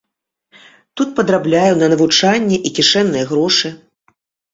Тут падрабляе на навучанне і кішэнныя грошы.